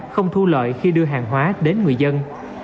không thu lợi khi đưa hàng hóa đến người dân